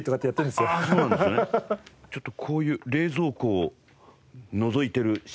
ちょっとこういう冷蔵庫をのぞいてるしんのすけ。